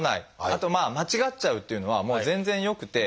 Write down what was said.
あと間違っちゃうっていうのはもう全然よくて。